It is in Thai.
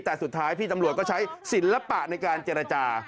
แต่สุดท้ายพี่ตำรวจก็ใช้ศิลปะในการเจรจา